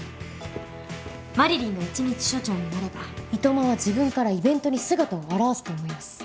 マリリンが１日署長になれば糸間は自分からイベントに姿を現すと思います。